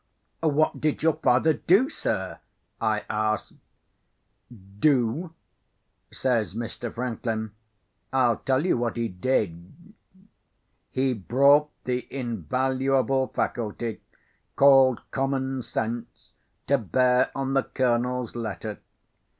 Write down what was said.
"What did your father do, sir?" I asked. "Do?" says Mr. Franklin. "I'll tell you what he did. He brought the invaluable faculty, called common sense, to bear on the Colonel's letter.